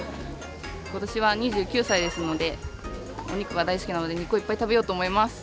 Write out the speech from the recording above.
今年は２９歳ですのでお肉が大好きなので肉をいっぱい食べようと思います。